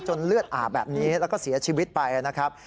เลือดอาบแบบนี้แล้วก็เสียชีวิตไปนะครับ